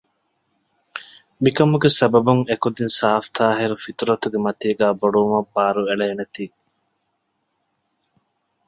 މިކަމުގެ ސަބަބުން އެ ކުދިން ސާފު ޠާހިރު ފިޠުރަތުގެ މަތީގައި ބޮޑުވުމަށް ބާރުއެޅޭނެތީ